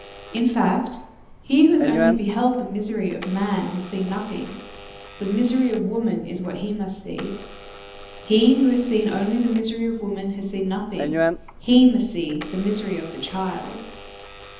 In fact, he who has only beheld the misery of man has seen nothing; the misery of woman is what he must see; he who has seen only the misery of woman has seen nothing; he must see the misery of the child.